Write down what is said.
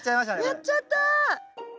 やっちゃった。